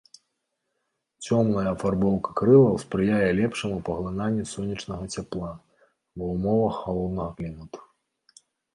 Цёмная афарбоўка крылаў спрыяе лепшаму паглынанню сонечнага цяпла ва ўмовах халоднага клімату.